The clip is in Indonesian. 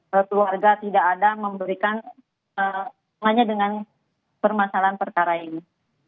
keluarga tidak ada memberikan dengan permasalahan perkara ini